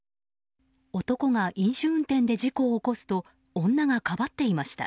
男が飲酒運転で事故を起こすと女がかばっていました。